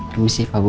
permisi pak bu